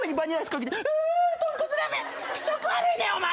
気色悪いねんお前！